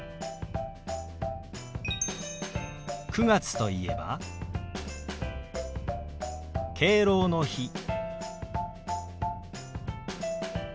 ９月といえば「敬老の日」。